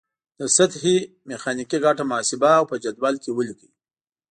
د سطحې میخانیکي ګټه محاسبه او په جدول کې ولیکئ.